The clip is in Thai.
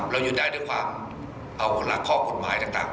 ระยุดได้ด้วยความเอาหลักครบกฎหมายต่าง